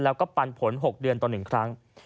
แล้วก็ปันผล๖เดือนต่อ๑ครั้ง